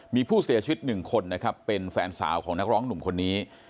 มีผู้เสียชีวิตหนึ่งคนนะครับเป็นแฟนสาวของนักร้องหนุ่มคนนี้